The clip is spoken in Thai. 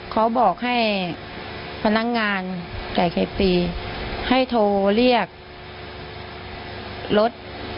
เขาบอกให้พนักงานจ่ายเคตีให้โทรเรียกรถ